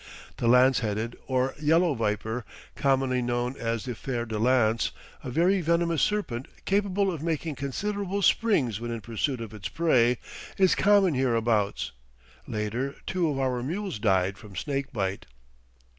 The lance headed or yellow viper, commonly known as the fer de lance, a very venomous serpent capable of making considerable springs when in pursuit of its prey, is common hereabouts. Later two of our mules died from snake bite.